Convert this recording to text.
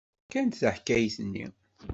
Ḥkant-d taḥkayt-nni.